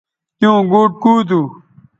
تیوں گوٹ کُو تھو